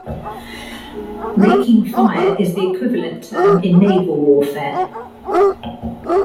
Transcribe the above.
Raking fire is the equivalent term in naval warfare.